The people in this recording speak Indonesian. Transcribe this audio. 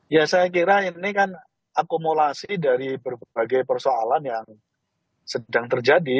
ya saya kira ini kan akumulasi dari berbagai persoalan yang sedang terjadi